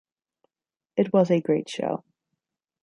It was a great show.